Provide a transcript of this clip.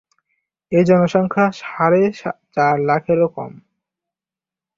এর জনসংখ্যা সাড়ে চার লাখেরও কম।